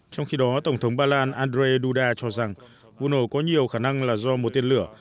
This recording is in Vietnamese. trong khi đó tổng thống ba lan andrzej duda cho rằng vụ nổ có nhiều khả năng là do một tên lửa